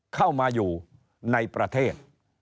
เข้ามาอยู่ในประเทศ